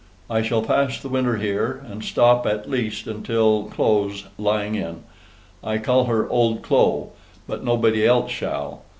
I shall pass the winter here: and stop at least until Clo's lying in. I call her OLD CLO, but nobody else shall.